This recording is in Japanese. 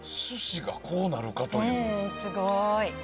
すごい！